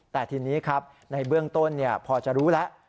แต่ทีนี้ครับในเบื้องต้นพอจะรู้แล้ว